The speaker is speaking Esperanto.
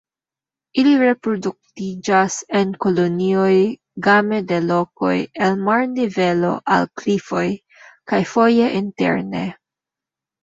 Ili reproduktiĝas en kolonioj game de lokoj el marnivelo al klifoj, kaj foje interne.